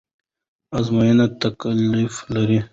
ازموينه تکليف لري